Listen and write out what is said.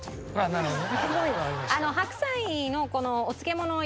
なるほどね。